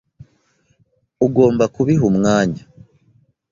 , ugomba kubiha umwanya.